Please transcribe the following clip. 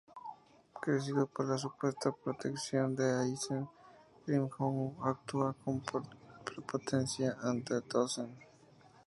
Crecido por la supuesta protección de Aizen, Grimmjow actúa con prepotencia ante Tōsen.